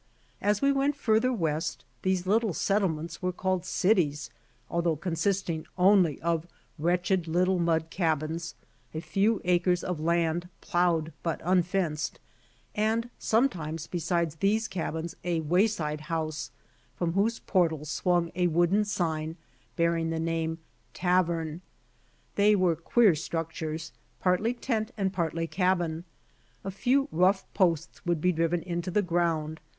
As we went farther west these little settlements were called cities, although consisting only of wretched little m(ud cabins, a few acres of land plowed but unfenced, and sometimes beside these cabins a wayside house, from ^hose portals swung a. wooden sigTi bearing the name Tavern. They were queer structures, partly tent and partly cabin. A few rough posts would be driven into the ground.